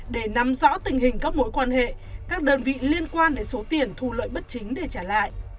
để nắm rõ tình hình các mối quan hệ các đơn vị liên quan đến số tiền thu lợi bất chính để trả lại